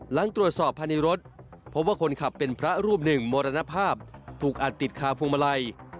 หลังตรวจสอบภายในรถพบว่าคนขับเป็นพระรูปหนึ่งมรณภาพถูกอัดติดคาพวงมาลัย